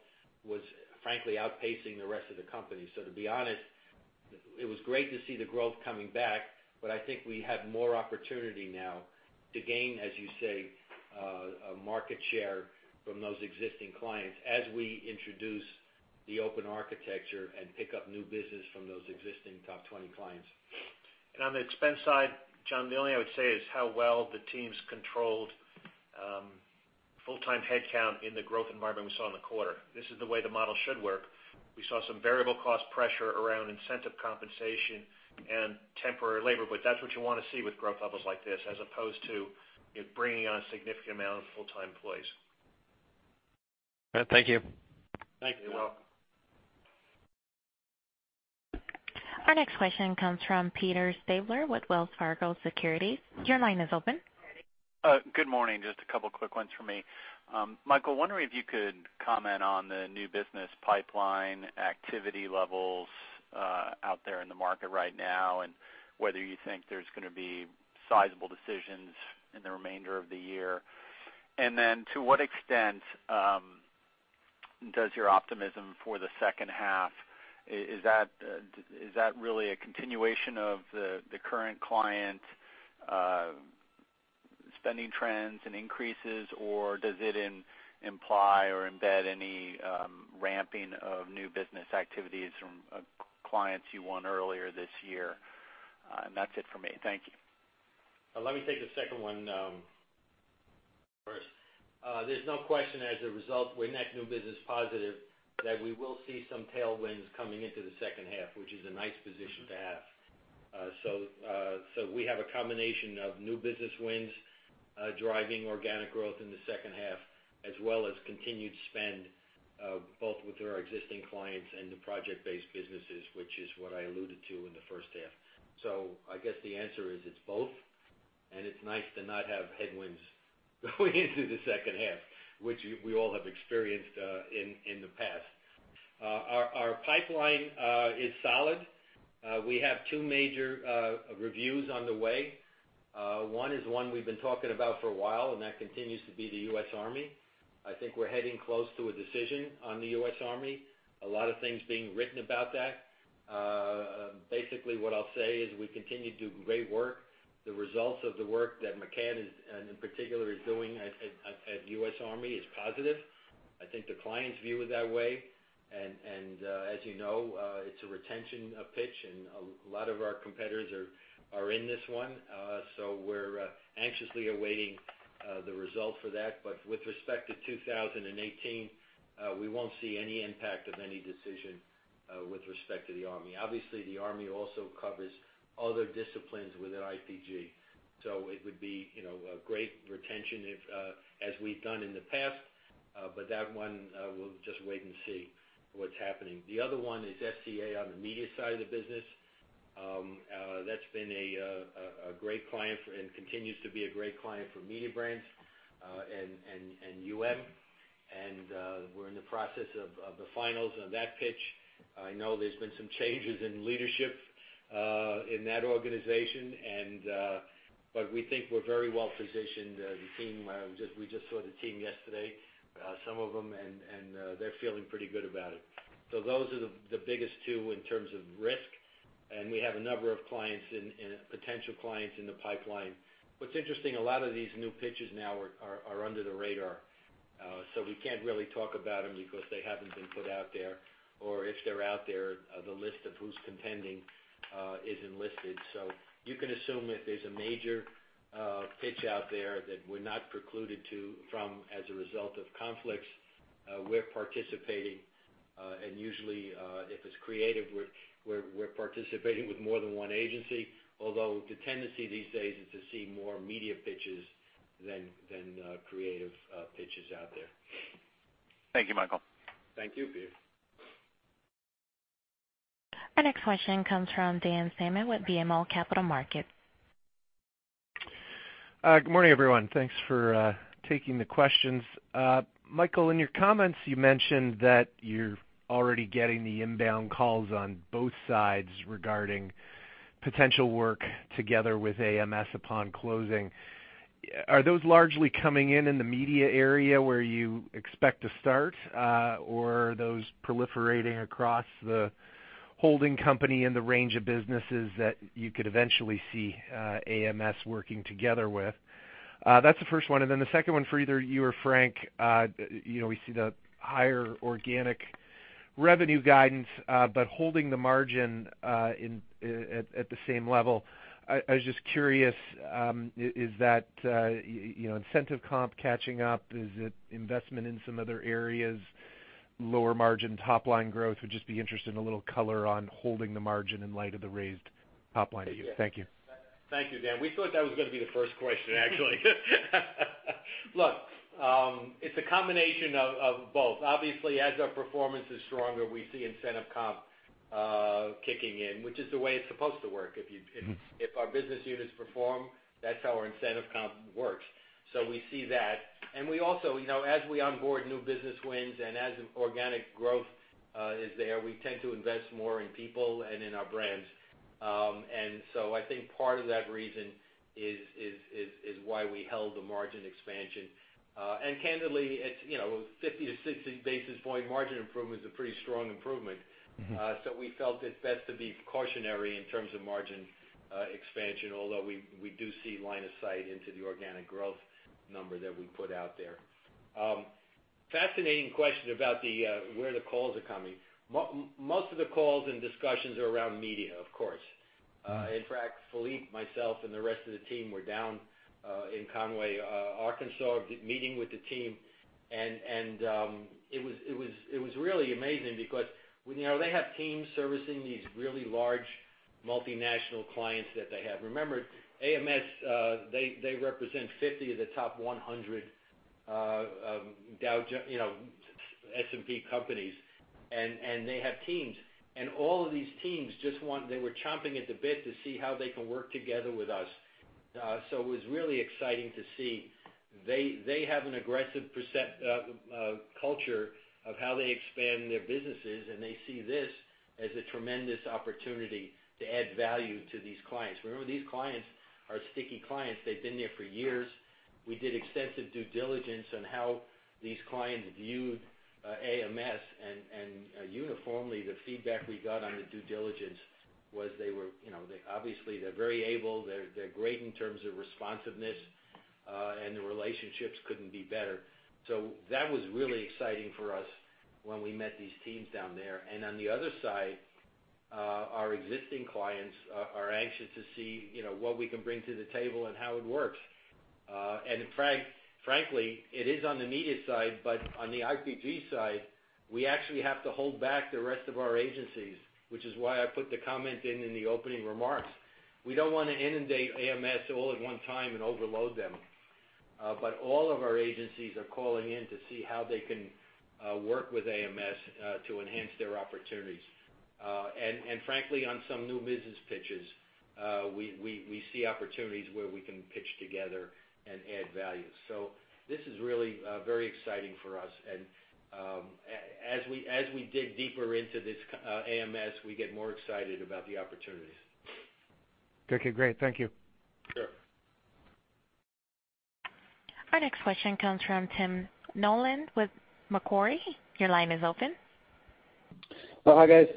was frankly outpacing the rest of the company. So to be honest, it was great to see the growth coming back, but I think we have more opportunity now to gain, as you say, market share from those existing clients as we introduce the open architecture and pick up new business from those existing top 20 clients. And on the expense side, John, the only thing I would say is how well the teams controlled full-time headcount in the growth environment we saw in the quarter. This is the way the model should work. We saw some variable cost pressure around incentive compensation and temporary labor, but that's what you want to see with growth levels like this as opposed to bringing on a significant amount of full-time employees. Thank you. Thank you. You're welcome. Our next question comes from Peter Stabler with Wells Fargo Securities. Your line is open. Good morning. Just a couple of quick ones for me. Michael, wondering if you could comment on the new business pipeline, activity levels out there in the market right now, and whether you think there's going to be sizable decisions in the remainder of the year? And then to what extent does your optimism for the second half? Is that really a continuation of the current client spending trends and increases, or does it imply or embed any ramping of new business activities from clients you won earlier this year? And that's it for me. Thank you. Let me take the second one first. There's no question as a result, when that new business is positive, that we will see some tailwinds coming into the second half, which is a nice position to have. So we have a combination of new business wins driving organic growth in the second half, as well as continued spend both with our existing clients and the project-based businesses, which is what I alluded to in the first half. So I guess the answer is it's both, and it's nice to not have headwinds going into the second half, which we all have experienced in the past. Our pipeline is solid. We have two major reviews on the way. One is one we've been talking about for a while, and that continues to be the U.S. Army. I think we're heading close to a decision on the U. S. Army. A lot of things being written about that. Basically, what I'll say is we continue to do great work. The results of the work that McCann, in particular, is doing at U.S. Army is positive. I think the clients view it that way. And as you know, it's a retention pitch, and a lot of our competitors are in this one. So we're anxiously awaiting the result for that. But with respect to 2018, we won't see any impact of any decision with respect to the Army. Obviously, the Army also covers other disciplines within IPG. So it would be a great retention as we've done in the past, but that one we'll just wait and see what's happening. The other one is FCA on the media side of the business. That's been a great client and continues to be a great client for Mediabrands. And we're in the process of the finals of that pitch. I know there's been some changes in leadership in that organization, but we think we're very well positioned. We just saw the team yesterday, some of them, and they're feeling pretty good about it. So those are the biggest two in terms of risk, and we have a number of potential clients in the pipeline. What's interesting, a lot of these new pitches now are under the radar. So we can't really talk about them because they haven't been put out there, or if they're out there, the list of who's contending is not listed. So you can assume if there's a major pitch out there that we're not precluded from as a result of conflicts, we're participating. And usually, if it's creative, we're participating with more than one agency, although the tendency these days is to see more media pitches than creative pitches out there. Thank you, Michael. Thank you. Our next question comes from Dan Salmon with BMO Capital Markets. Good morning, everyone. Thanks for taking the questions. Michael, in your comments, you mentioned that you're already getting the inbound calls on both sides regarding potential work together with AMS upon closing. Are those largely coming in in the media area where you expect to start, or are those proliferating across the holding company and the range of businesses that you could eventually see AMS working together with? That's the first one. And then the second one for either you or Frank, we see the higher organic revenue guidance, but holding the margin at the same level. I was just curious, is that incentive comp catching up? Is it investment in some other areas, lower margin, top-line growth? Would just be interested in a little color on holding the margin in light of the raised top-line views. Thank you. Thank you, Dan. We thought that was going to be the first question, actually. Look, it's a combination of both. Obviously, as our performance is stronger, we see incentive comp kicking in, which is the way it's supposed to work. If our business units perform, that's how our incentive comp works. So we see that. And we also, as we onboard new business wins and as organic growth is there, we tend to invest more in people and in our brands. And so I think part of that reason is why we held the margin expansion. And candidly, it's a 50-60 basis point margin improvement is a pretty strong improvement. So we felt it's best to be cautionary in terms of margin expansion, although we do see line of sight into the organic growth number that we put out there. Fascinating question about where the calls are coming. Most of the calls and discussions are around media, of course. In fact, Philippe, myself, and the rest of the team were down in Conway, Arkansas, meeting with the team. It was really amazing because they have teams servicing these really large multinational clients that they have. Remember, AMS, they represent 50 of the top 100 S&P companies, and they have teams. All of these teams, they were chomping at the bit to see how they can work together with us. It was really exciting to see. They have an aggressive performance culture of how they expand their businesses, and they see this as a tremendous opportunity to add value to these clients. Remember, these clients are sticky clients. They've been there for years. We did extensive due diligence on how these clients viewed AMS, and uniformly, the feedback we got on the due diligence was they were obviously very able. They're great in terms of responsiveness, and the relationships couldn't be better. So that was really exciting for us when we met these teams down there. And on the other side, our existing clients are anxious to see what we can bring to the table and how it works. And frankly, it is on the media side, but on the IPG side, we actually have to hold back the rest of our agencies, which is why I put the comment in in the opening remarks. We don't want to inundate AMS all at one time and overload them. But all of our agencies are calling in to see how they can work with AMS to enhance their opportunities. And frankly, on some new business pitches, we see opportunities where we can pitch together and add value. So this is really very exciting for us. And as we dig deeper into this AMS, we get more excited about the opportunities. Okay. Great. Thank you. Our next question comes from Tim Nollen with Macquarie. Your line is open. Hi, guys.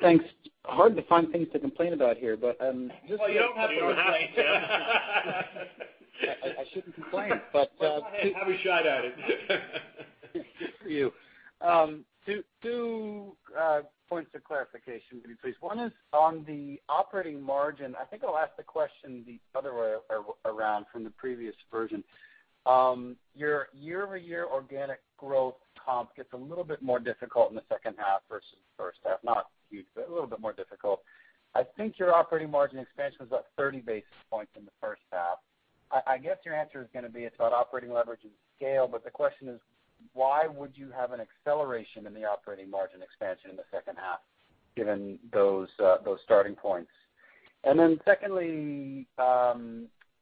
Thanks. Hard to find things to complain about here, but just. Well, you don't have to complain, Tim. I shouldn't complain. Have a shot at it. Thank you. Two points of clarification, maybe, please. One is on the operating margin. I think I'll ask the question the other way around from the previous version. Your year-over-year organic growth comp gets a little bit more difficult in the second half versus the first half. Not huge, but a little bit more difficult. I think your operating margin expansion was about 30 basis points in the first half. I guess your answer is going to be it's about operating leverage and scale, but the question is, why would you have an acceleration in the operating margin expansion in the second half given those starting points? And then secondly,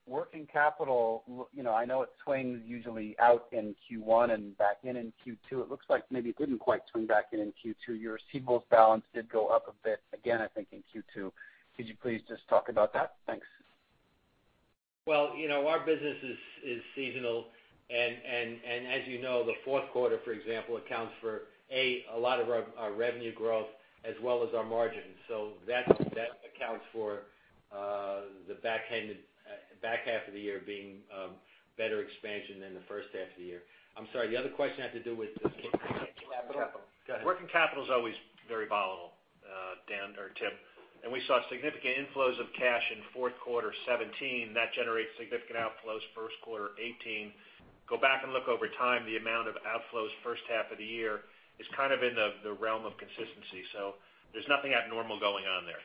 working capital, I know it swings usually out in Q1 and back in in Q2. It looks like maybe it didn't quite swing back in in Q2. Your receivables balance did go up a bit again, I think, in Q2. Could you please just talk about that? Thanks. Well, our business is seasonal, and as you know, the fourth quarter, for example, accounts for a lot of our revenue growth as well as our margins. So that accounts for the back half of the year being better expansion than the first half of the year. I'm sorry. The other question had to do with working capital is always very volatile, Dan or Tim. And we saw significant inflows of cash in fourth quarter 2017. That generates significant outflows first quarter 2018. Go back and look over time, the amount of outflows first half of the year is kind of in the realm of consistency. So there's nothing abnormal going on there.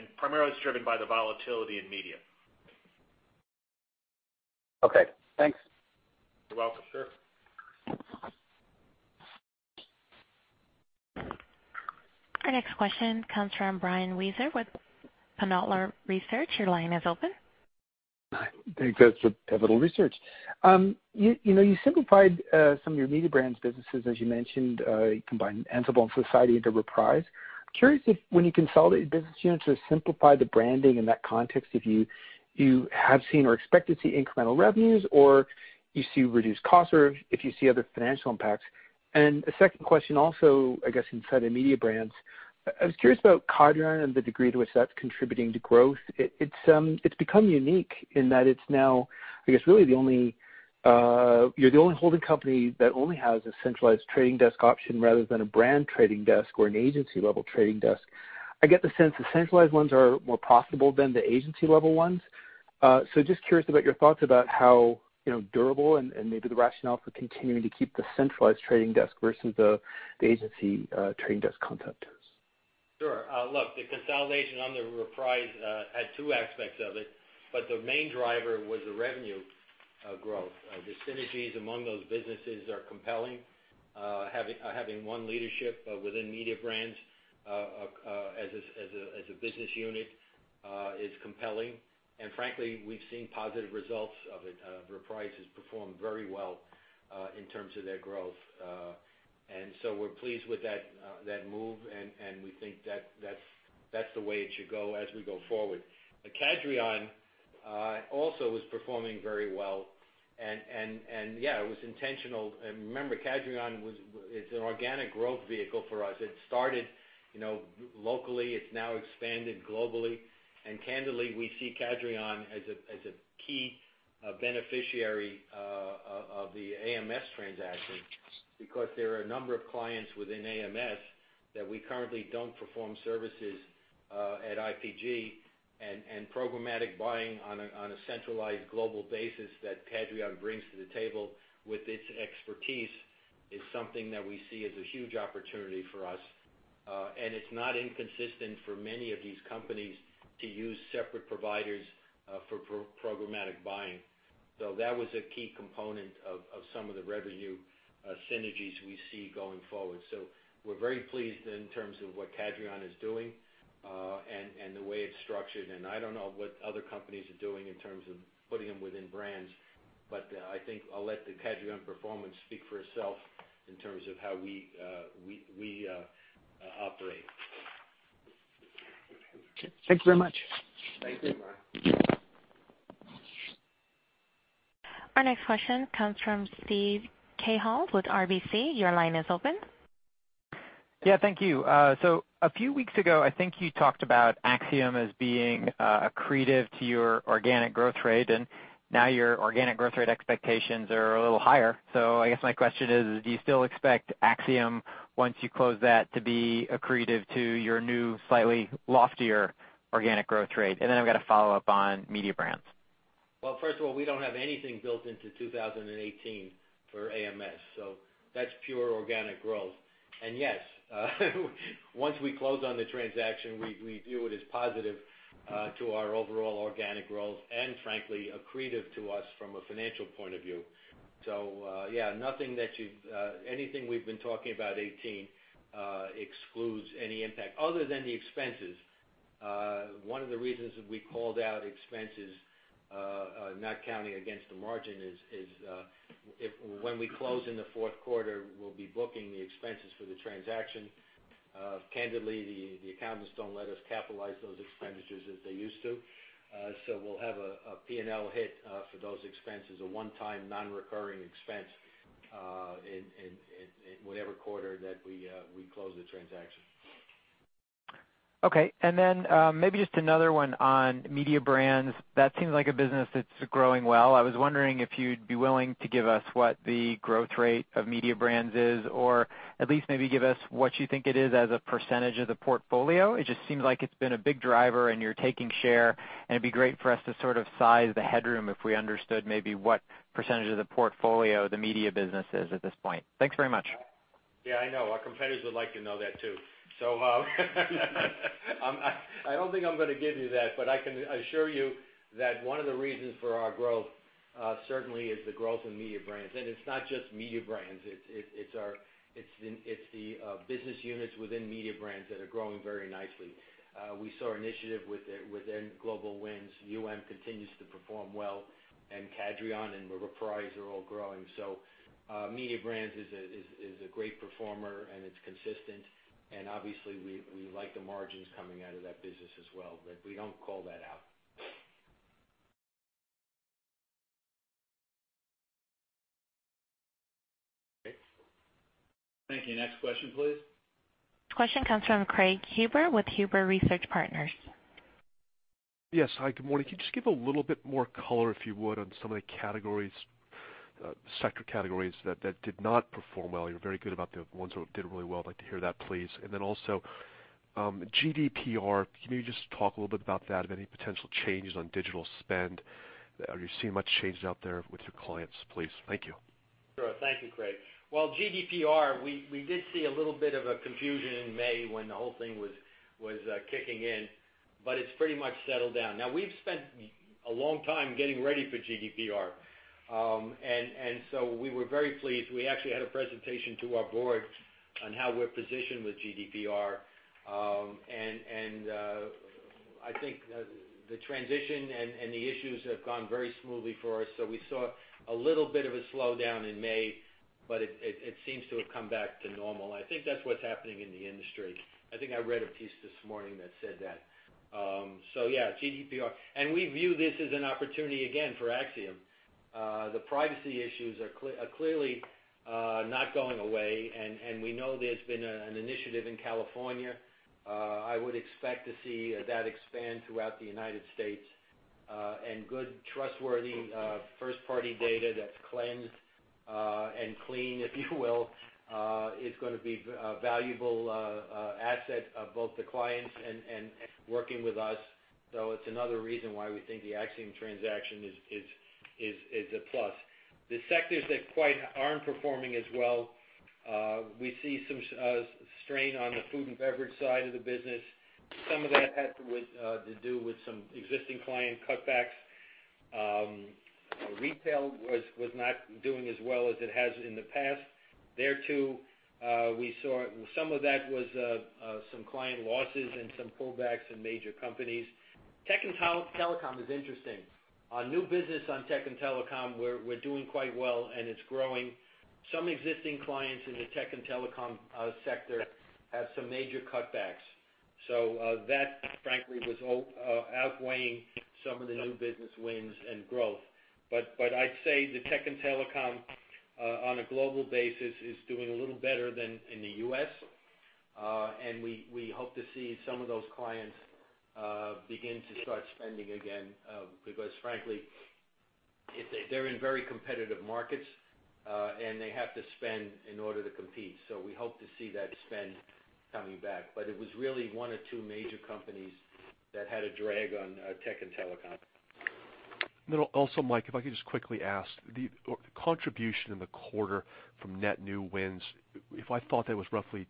And primarily, it's driven by the volatility in media. Okay. Thanks. You're welcome. Our next question comes from Brian Wieser with Pivotal Research. Your line is open. Thanks, Pivotal Research. You simplified some of your Mediabrands' businesses, as you mentioned, combining Ansible and Society and Reprise. I'm curious if when you consolidate business units or simplify the branding in that context, if you have seen or expect to see incremental revenues or you see reduced costs or if you see other financial impacts. And a second question also, I guess, inside of Mediabrands. I was curious about Cadreon and the degree to which that's contributing to growth. It's become unique in that it's now, I guess, really the only—you're the only holding company that only has a centralized trading desk option rather than a brand trading desk or an agency-level trading desk. I get the sense the centralized ones are more profitable than the agency-level ones. So just curious about your thoughts about how durable and maybe the rationale for continuing to keep the centralized trading desk versus the agency trading desk concept. Sure. Look, the consolidation under Reprise had two aspects of it, but the main driver was the revenue growth. The synergies among those businesses are compelling. Having one leadership within Mediabrands as a business unit is compelling. And frankly, we've seen positive results of it. Reprise has performed very well in terms of their growth, and so we're pleased with that move, and we think that's the way it should go as we go forward. Cadreon also was performing very well, and yeah, it was intentional. And remember, Cadreon is an organic growth vehicle for us. It started locally. It's now expanded globally, and candidly, we see Cadreon as a key beneficiary of the AMS transaction because there are a number of clients within AMS that we currently don't perform services at IPG, and programmatic buying on a centralized global basis that Cadreon brings to the table with its expertise is something that we see as a huge opportunity for us, and it's not inconsistent for many of these companies to use separate providers for programmatic buying, so that was a key component of some of the revenue synergies we see going forward. So we're very pleased in terms of what Cadreon is doing and the way it's structured. And I don't know what other companies are doing in terms of putting them within brands, but I think I'll let the Cadreon performance speak for itself in terms of how we operate. Thank you very much. Thank you. Our next question comes from Steven Cahall with RBC. Your line is open. Yeah, thank you. So a few weeks ago, I think you talked about Acxiom as being accretive to your organic growth rate, and now your organic growth rate expectations are a little higher. So I guess my question is, do you still expect Acxiom, once you close that, to be accretive to your new, slightly loftier organic growth rate? And then I've got a follow-up on Mediabrands. Well, first of all, we don't have anything built into 2018 for AMS. So that's pure organic growth. And yes, once we close on the transaction, we view it as positive to our overall organic growth and, frankly, accretive to us from a financial point of view. So yeah, nothing that we've been talking about 2018 excludes any impact. Other than the expenses, one of the reasons that we called out expenses, not counting against the margin, is when we close in the fourth quarter, we'll be booking the expenses for the transaction. Candidly, the accountants don't let us capitalize those expenditures as they used to. So we'll have a P&L hit for those expenses, a one-time non-recurring expense in whatever quarter that we close the transaction. Okay. And then maybe just another one on Mediabrands. That seems like a business that's growing well. I was wondering if you'd be willing to give us what the growth rate of Mediabrands is, or at least maybe give us what you think it is as a percentage of the portfolio. It just seems like it's been a big driver, and you're taking share, and it'd be great for us to sort of size the headroom if we understood maybe what percentage of the portfolio the media business is at this point. Thanks very much. Yeah, I know. Our competitors would like to know that too. So I don't think I'm going to give you that, but I can assure you that one of the reasons for our growth certainly is the growth in Mediabrands. And it's not just Mediabrands. It's the business units within Mediabrands that are growing very nicely. We saw Initiative within global wins. Continues to perform well, and Cadreon and Reprise are all growing. So Mediabrands is a great performer, and it's consistent. And obviously, we like the margins coming out of that business as well. We don't call that out. Okay. Thank you. Next question, please. Question comes from Craig Huber with Huber Research Partners. Yes. Hi, good morning. Can you just give a little bit more color, if you would, on some of the sector categories that did not perform well? You were very good about the ones that did really well. I'd like to hear that, please. And then also, GDPR, can you just talk a little bit about that, of any potential changes on digital spend? Are you seeing much changes out there with your clients, please? Thank you. Sure. Thank you, Craig .GDPR, we did see a little bit of a confusion in May when the whole thing was kicking in, but it's pretty much settled down. Now, we've spent a long time getting ready for GDPR. And so we were very pleased. We actually had a presentation to our board on how we're positioned with GDPR. And I think the transition and the issues have gone very smoothly for us. So we saw a little bit of a slowdown in May, but it seems to have come back to normal. I think that's what's happening in the industry. I think I read a piece this morning that said that. So yeah, GDPR. And we view this as an opportunity again for Acxiom. The privacy issues are clearly not going away, and we know there's been an initiative in California. I would expect to see that expand throughout the United States. And good, trustworthy first-party data that's cleansed and clean, if you will, is going to be a valuable asset of both the clients and working with us. So it's another reason why we think the Acxiom transaction is a plus. The sectors that quite aren't performing as well, we see some strain on the food and beverage side of the business. Some of that had to do with some existing client cutbacks. Retail was not doing as well as it has in the past. There, too, we saw some of that was some client losses and some pullbacks in major companies. Tech and telecom is interesting. New business on tech and telecom, we're doing quite well, and it's growing. Some existing clients in the tech and telecom sector have some major cutbacks. So that, frankly, was outweighing some of the new business wins and growth. But I'd say the tech and telecom on a global basis is doing a little better than in the U.S. And we hope to see some of those clients begin to start spending again because, frankly, they're in very competitive markets, and they have to spend in order to compete. So we hope to see that spend coming back. But it was really one or two major companies that had a drag on tech and telecom. Also, Mike, if I could just quickly ask, the contribution in the quarter from Net New Wins, if I thought that was roughly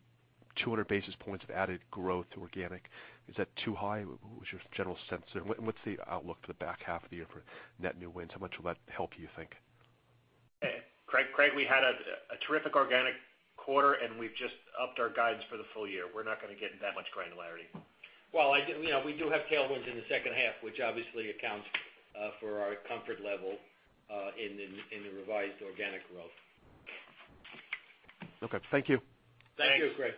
200 basis points of added growth organic, is that too high? What was your general sense there? What's the outlook for the back half of the year for Net New Wins? How much will that help, do you think? Craig, we had a terrific organic quarter, and we've just upped our guidance for the full year. We're not going to get that much granularity. Well, we do have tailwinds in the second half, which obviously accounts for our comfort level in the revised organic growth. Okay. Thank you. Thank you, Craig.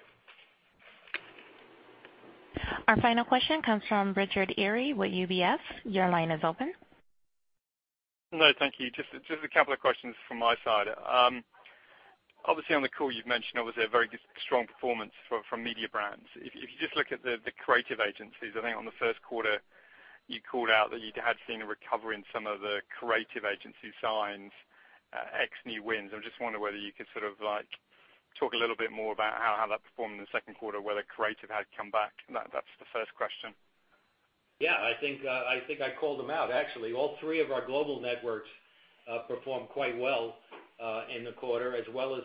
Our final question comes from Richard Eary with UBS. Your line is open. No, thank you. Just a couple of questions from my side. Obviously, on the call, you've mentioned there was a very strong performance from Mediabrands. If you just look at the creative agencies, I think on the first quarter, you called out that you had seen a recovery in some of the creative agency signings, ex-new wins. I'm just wondering whether you could sort of talk a little bit more about how that performed in the second quarter, whether creative had come back. That's the first question. Yeah. I think I called them out, actually. All three of our global networks performed quite well in the quarter, as well as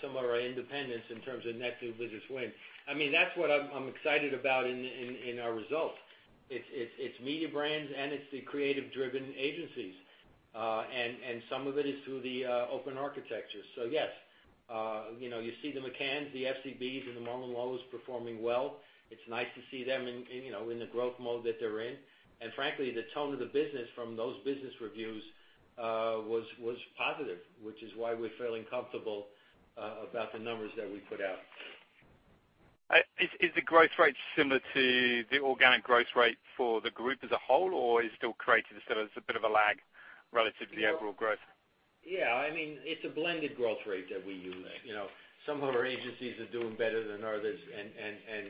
some of our independents in terms of net new business win. I mean, that's what I'm excited about in our results. It's Mediabrands, and it's the creative-driven agencies. And some of it is through the open architecture. So yes, you see the McCanns, the FCBs, and the MullenLowes performing well. It's nice to see them in the growth mode that they're in. And frankly, the tone of the business from those business reviews was positive, which is why we're feeling comfortable about the numbers that we put out. Is the growth rate similar to the organic growth rate for the group as a whole, or is it still creative instead of a bit of a lag relative to the overall growth? Yeah. I mean, it's a blended growth rate that we use. Some of our agencies are doing better than others. And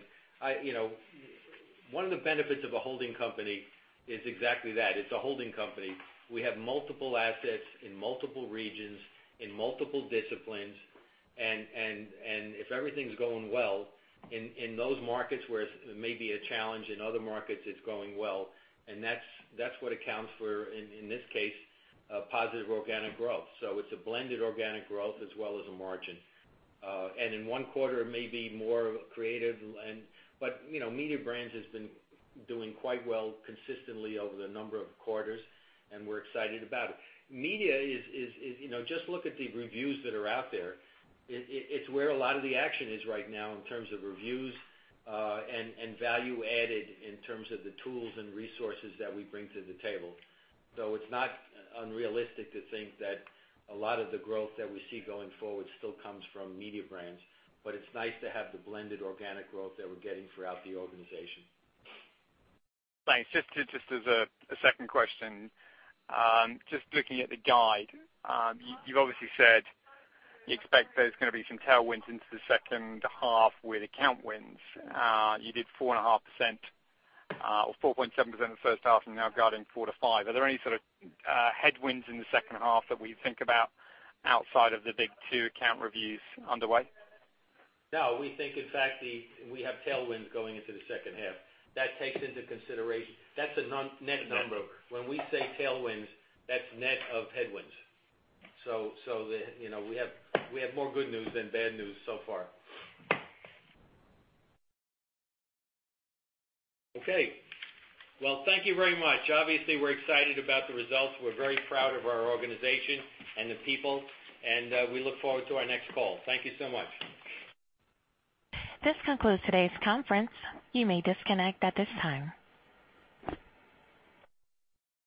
one of the benefits of a holding company is exactly that. It's a holding company. We have multiple assets in multiple regions, in multiple disciplines. And if everything's going well in those markets where it may be a challenge, in other markets it's going well. And that's what accounts for, in this case, positive organic growth. So it's a blended organic growth as well as a margin. And in one quarter, it may be more creative. But Mediabrands have been doing quite well consistently over the number of quarters, and we're excited about it. Media is. Just look at the reviews that are out there. It's where a lot of the action is right now in terms of reviews and value added in terms of the tools and resources that we bring to the table. So it's not unrealistic to think that a lot of the growth that we see going forward still comes from Mediabrands. But it's nice to have the blended organic growth that we're getting throughout the organization. Thanks. Just as a second question, just looking at the guidance, you've obviously said you expect there's going to be some tailwinds into the second half with account wins. You did 4.5% or 4.7% in the first half, and now you're guiding 4%-5%. Are there any sort of headwinds in the second half that we think about outside of the big two account reviews underway? No. We think, in fact, we have tailwinds going into the second half. That takes into consideration. That's a net number. When we say tailwinds, that's net of headwinds. So we have more good news than bad news so far. Okay. Well, thank you very much. Obviously, we're excited about the results. We're very proud of our organization and the people. And we look forward to our next call. Thank you so much. This concludes today's conference. You may disconnect at this time.